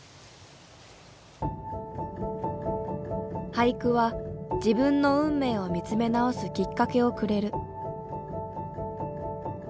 俳句は自分の運命を見つめ直すきっかけをくれる。